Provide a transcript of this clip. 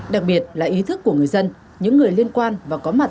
đặc biệt là ý thức của người dân những người liên quan và có mặt